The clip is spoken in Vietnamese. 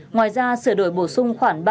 ngoài ra sửa đổi bổ sung khoản ba